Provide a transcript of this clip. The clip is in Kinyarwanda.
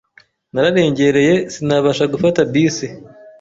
Nararengereye sinabasha gufata bisi.